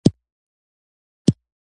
تا د پښتنو درنې پګړۍ په سپو او نورو وداړلې.